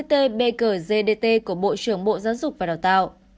t b g d t của bộ trưởng bộ giáo dục và đào tạo